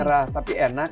berserah tapi enak